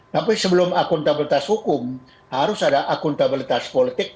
tapi sebelum akuntabilitas hukum harus ada akuntabilitas politik